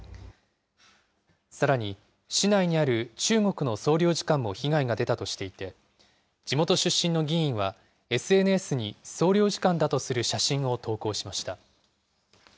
さらに市内にある中国の総領事館も被害が出たとしていて、地元出身の議員は、ＳＮＳに総領事館だとする写真を投稿しました。